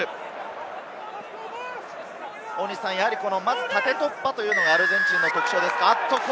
まず縦突破というのがアルゼンチンの特徴ですか？